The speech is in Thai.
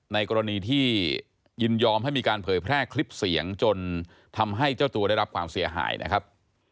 ในกรณีที่ยินยอมให้มีการเผยแพร่คลิปเสียงจนทำให้เจ้าตัวได้รับความเสียหายนะครับ